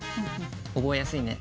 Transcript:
覚えやすいね。